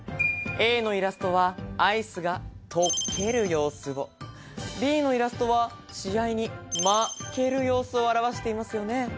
Ａのイラストはアイスがとける様子をＢのイラストは試合にまける様子を表していますよね